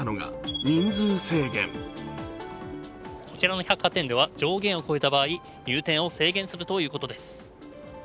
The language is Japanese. こちらの百貨店では上限を超えた場合入店を制限するということです。